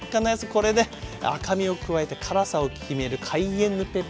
これで赤みを加えて辛さを決めるカイエンヌペッパー。